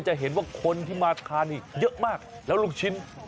จะเห็นว่าคนที่มาทานนี่เยอะมากแล้วลูกชิ้น